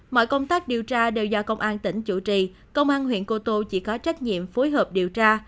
mọi công tác điều tra đều do công an tỉnh chủ trì công an huyện cô tô chỉ có trách nhiệm phối hợp điều tra